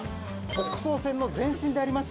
北総線の前身であります